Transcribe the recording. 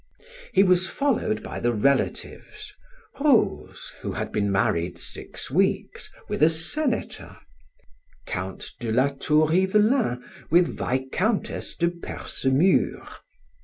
He was followed by the relatives: Rose, who had been married six weeks, with a senator; Count de Latour Ivelin with Viscountess de Percemur.